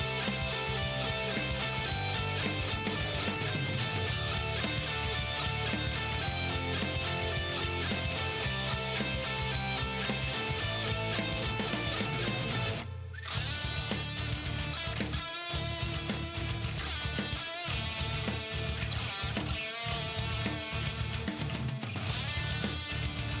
โปรดติดตามตอนต่อไป